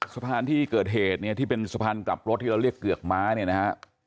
สะพานที่เกิดเหตุเนี่ยที่เป็นสะพานกลับรถที่เราเรียกเกือกม้าเนี่ยนะฮะ